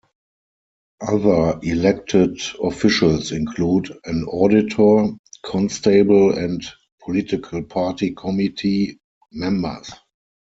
Other elected officials include an auditor, constable, and political party committee members.